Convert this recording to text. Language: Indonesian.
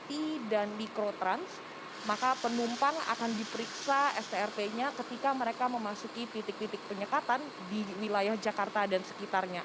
di dan mikrotrans maka penumpang akan diperiksa strp nya ketika mereka memasuki titik titik penyekatan di wilayah jakarta dan sekitarnya